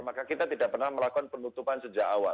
maka kita tidak pernah melakukan penutupan sejak awal